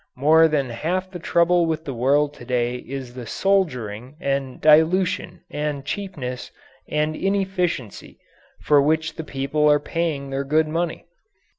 More than half the trouble with the world to day is the "soldiering" and dilution and cheapness and inefficiency for which the people are paying their good money.